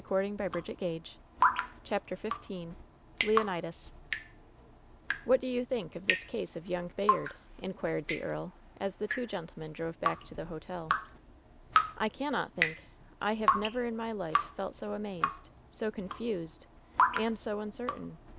84i WHEN SHADOWS DIE CHAPTER XV LEONIDAS ^What do you think of this case of young Bayard V^ inquired the earl, as the two gentlemen drove back to the hotel. "I cannot think! I have never in my life felt so amazed, so confused, and so uncertain!